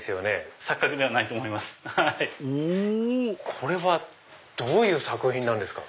これはどういう作品なんですか？